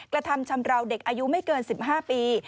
กระทำชำราวเด็กอายุไม่เกิน๑๕ปี